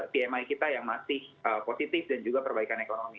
pmi kita yang masih positif dan juga perbaikan ekonomi